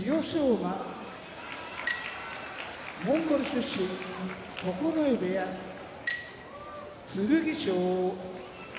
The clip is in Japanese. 馬モンゴル出身九重部屋剣翔